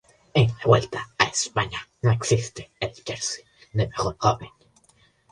En la Vuelta a España no existe el jersey de mejor joven.